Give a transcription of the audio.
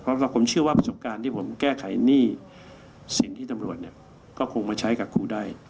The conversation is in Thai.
เพราะว่าผมเชื่อว่าประสบการณ์ที่ผมแก้ไขหนี้สินที่ตำรวจเนี่ยก็คงมาใช้กับครูได้